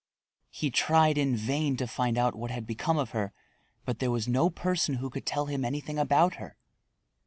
He tried in vain to find out what had become of her, but there was no person who could tell him anything about her.